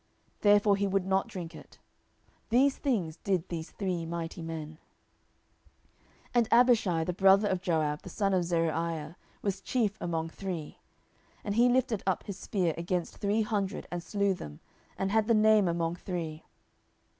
therefore he would not drink it. These things did these three mighty men. 10:023:018 And Abishai, the brother of Joab, the son of Zeruiah, was chief among three. And he lifted up his spear against three hundred, and slew them, and had the name among three.